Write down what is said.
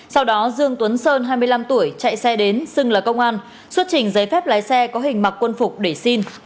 sau đó dương tuấn sơn hai mươi năm tuổi chạy xe đến xưng là công an xuất trình giấy phép lái xe có hình mặc quân phục để xin